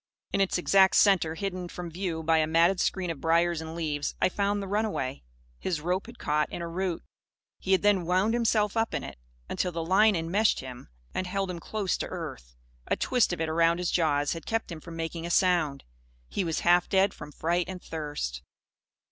In its exact centre, hidden from view by a matted screen of briars and leaves, I found the runaway. His rope had caught in a root. He had then wound himself up in it, until the line enmeshed him and held him close to earth. A twist of it, around his jaws, had kept him from making a sound. He was half dead from fright and thirst.